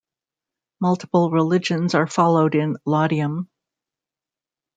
Multiple religions are followed in Laudium.